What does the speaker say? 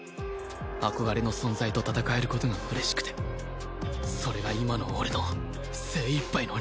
憧れの存在と戦える事が嬉しくてそれが今の俺の精いっぱいのリアルだ